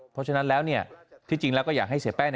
เพราะฉะนั้นแล้วที่จริงแล้วก็อยากให้เสียแป้ง